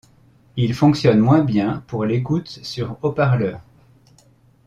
Ils fonctionnent moins bien pour l'écoute sur haut-parleurs.